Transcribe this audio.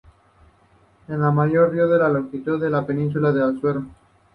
Es el mayor río por longitud de la península de Azuero.